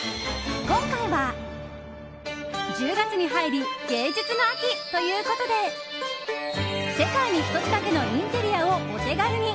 今回は、１０月に入り芸術の秋ということで世界に１つだけのインテリアをお手軽に！